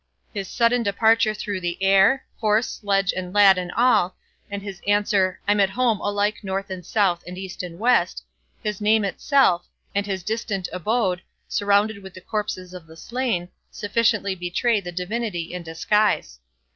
His sudden departure through the air, horse, sledge, and lad, and all, and his answer "I'm at home, alike north, and south, and east, and west"; his name itself, and his distant abode, surrounded with the corpses of the slain, sufficiently betray the divinity in disguise.